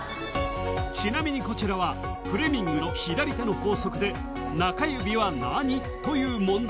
ちなみにこちらはフレミングの左手の法則で中指は何？という問題